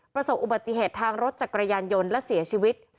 ประสบอุบัติเหตุทางรถจักรยานยนต์และเสียชีวิต